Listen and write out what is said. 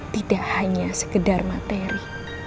tidak hanya sekedar materi